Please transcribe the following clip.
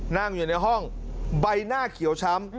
นั่งอยู่ในห้องใบหน้าเขียวช้ำ